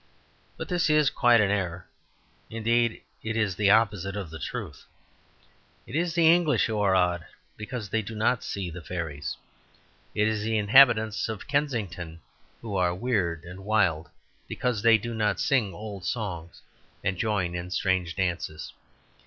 But this is quite an error; indeed, it is the opposite of the truth. It is the English who are odd because they do not see the fairies. It is the inhabitants of Kensington who are weird and wild because they do not sing old songs and join in strange dances.